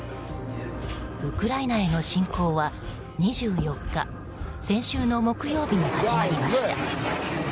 ウクライナへの侵攻は２４日先週の木曜日に始まりました。